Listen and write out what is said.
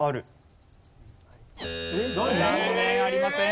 残念！ありません。